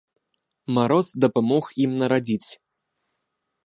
Мароз дапамог ім нарадзіць.